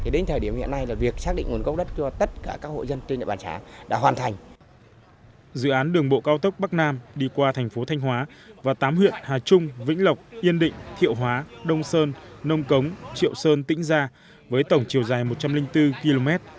dự án đường bộ cao tốc bắc nam đi qua thành phố thanh hóa và tám huyện hà trung vĩnh lộc yên định thiệu hóa đông sơn nông cống triệu sơn tĩnh gia với tổng chiều dài một trăm linh bốn km